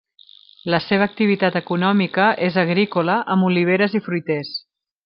La seva activitat econòmica és agrícola, amb oliveres i fruiters.